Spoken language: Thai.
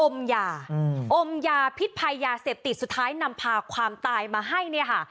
ยาอมยาพิษภัยยาเสพติดสุดท้ายนำพาความตายมาให้เนี่ยค่ะ